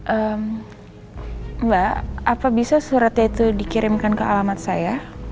mbak apa bisa suratnya itu dikirimkan ke alamat saya